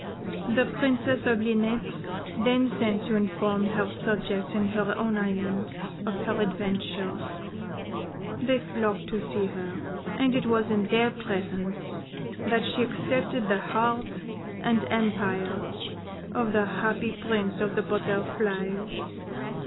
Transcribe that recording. The Princess of Linnets then sent to inform her subjects in her own island of her adventures: they flocked to see her, and it was in their presence that she accepted the heart and empire of the happy Prince of the Butterflies.